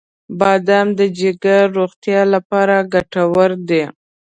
• بادام د جګر روغتیا لپاره ګټور دی.